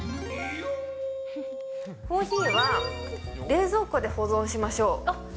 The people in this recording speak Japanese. コーヒーは冷蔵庫で保存しましょう。